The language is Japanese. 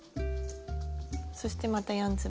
そしてまた４粒。